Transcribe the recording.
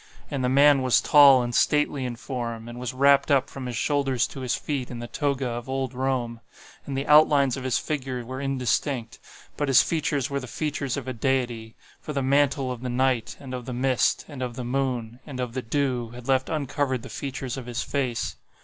And the man was tall and stately in form, and was wrapped up from his shoulders to his feet in the toga of old Rome. And the outlines of his figure were indistinct—but his features were the features of a deity; for the mantle of the night, and of the mist, and of the moon, and of the dew, had left uncovered the features of his face.